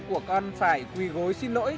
của con phải quý gối xin lỗi